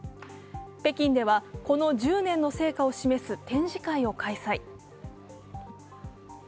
北京では、この１０年の成果を示す展示会を開催。